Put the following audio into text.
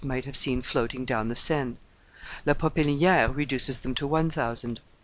might have seen floating down the Seine; La Popeliniere reduces them to one thousand.